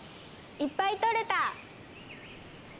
いっぱい採れた！